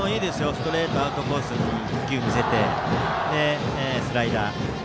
ストレートをアウトコースに１球見せてスライダー。